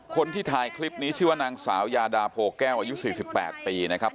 คนที่ถ่ายคลิปนี้ชื่อว่านางสาวยาดาโพแก้วอายุ๔๘ปีนะครับ